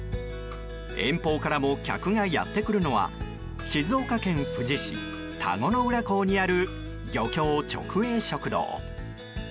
遠方からも客がやって来るのは静岡県富士市、田子の浦港にある漁協直営食堂。